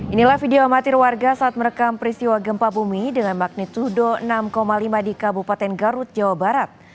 inilah video amatir warga saat merekam peristiwa gempa bumi dengan magnitudo enam lima di kabupaten garut jawa barat